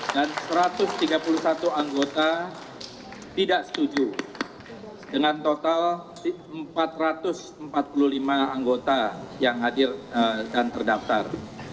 dan satu ratus tiga puluh satu anggota tidak setuju dengan total empat ratus empat puluh lima anggota yang hadir dan terdaftar